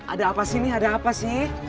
ada apa sih nih ada apa sih